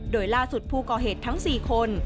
โดยล่าสุดผู้ก่อเหตุทั้ง๔คน